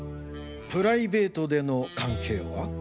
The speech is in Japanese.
プライベートでの関係は？